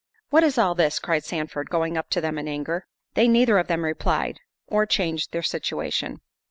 "What is all this?" cried Sandford, going up to them in anger. They neither of them replied, or changed their situation.